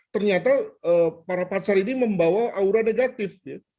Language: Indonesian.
ternyata para pasar ini membawa aura negatif